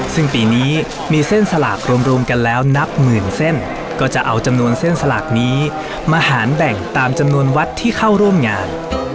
ซึ่งปีนี้มีเส้นสลากรวมกันแล้วนับหมื่นเส้นก็จะเอาจำนวนเส้นสลากนี้มาหารแบ่งตามจำนวนวัดที่เข้าร่วมงาน